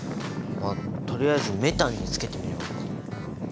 まあとりあえずメタンにつけてみればいいか。